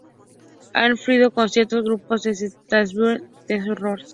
Han influido en cientos de grupos, desde The Hives a The Horrors.